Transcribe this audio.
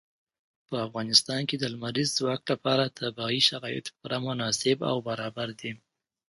په افغانستان کې د لمریز ځواک لپاره طبیعي شرایط پوره مناسب او برابر دي.